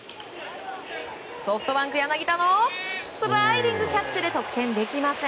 ソフトバンク、柳田のスライディングキャッチで得点できません。